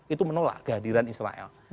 itu menolak kehadiran israel